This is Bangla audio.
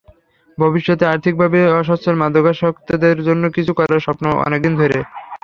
ভবিষ্যতে আর্থিকভাবে অসচ্ছল মাদকাসক্তদের জন্য কিছু করার স্বপ্ন অনেক দিন ধরে।